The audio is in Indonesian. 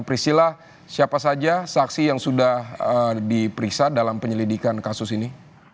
prisilah siapa saja saksi yang sudah diperiksa dalam penyelidikan kasus ini